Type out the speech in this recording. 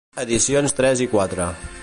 Edicions Tres i Quatre.